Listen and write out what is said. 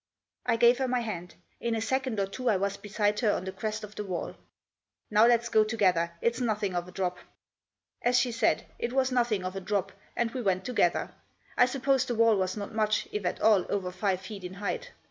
I gave her my hand. In a second or two I was beside her, on the crest of the wall. " Now let's go together, it's nothing of a drop." As she said, it was nothing of a drop, and we went together. I suppose the wall was not much, if at all, over five feet in height.